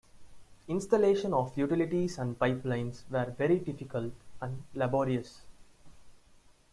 Installation of utilities and pipelines were very difficult and laborious.